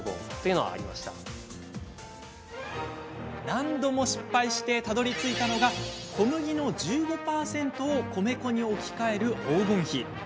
何度も失敗してたどりついたのが小麦の１５％を米粉に置き換える黄金比。